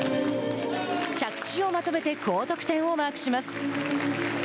着地をまとめて高得点をマークします。